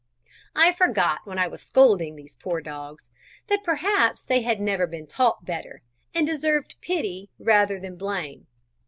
I forgot when I was scolding these poor dogs, that perhaps they had never been taught better, and deserved pity rather than blame.